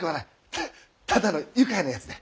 フッただの愉快なやつで。